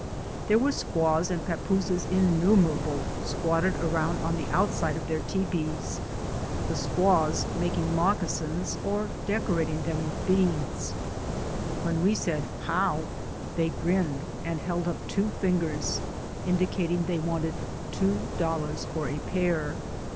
There were squaws and pappooses innumerable squatted around on the outside of their teepees, the squaws making mocca sins, or decorating them with beads. When DAYS ON THE ROAD. 133 we said "How," they grinned and held up two fingers, indicating they wanted two dol lars for a pair.